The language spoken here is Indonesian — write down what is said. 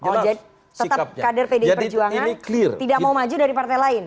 kalau tetap kader pdi perjuangan tidak mau maju dari partai lain